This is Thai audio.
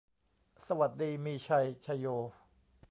สวัสดีมีชัย ชโย